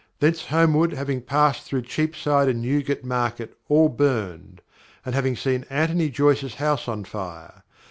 _ Thence homeward having passed through Cheapside and Newgate Market, all burned; and seen Antony Joyce's house on fire.